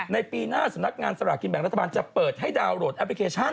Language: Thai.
ในปีหน้าสำนักงานสลากกินแบ่งรัฐบาลจะเปิดให้ดาวนโหลดแอปพลิเคชัน